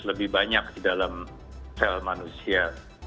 lebih banyak di dalam sel manusia